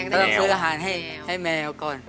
ต้องซื้ออาหารให้แมวก่อน